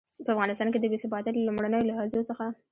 په افغانستان کې د بې ثباتۍ له لومړنيو لحظو څخه.